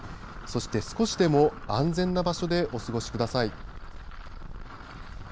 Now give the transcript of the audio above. そして、少しでも安全な場所でお過ごしください。